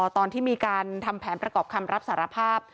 ตอนที่มีการทำแผนประกอบคำรับสารภาพ